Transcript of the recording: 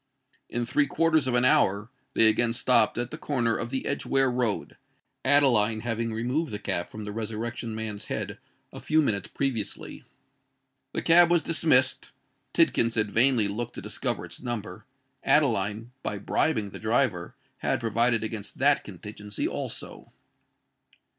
In three quarters of an hour they again stopped at the corner of the Edgeware Road, Adeline having removed the cap from the Resurrection Man's head a few minutes previously. The cab was dismissed:—Tidkins had vainly looked to discover its number. Adeline, by bribing the driver, had provided against that contingency also!